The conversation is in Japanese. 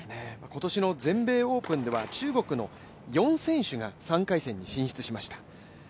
今年の全米オープンでは中国の４選手が３回戦に進出しました。